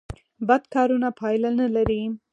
بد کارونه پایله نلري